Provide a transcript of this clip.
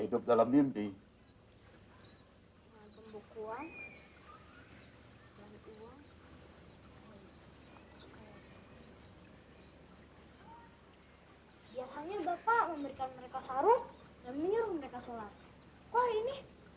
biasanya bapak memberikan mereka sarung dan menyuruh mereka sholat kok ini